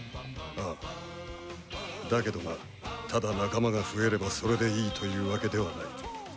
ああ。だけどなただ仲間が増えればそれでいいというわけではない。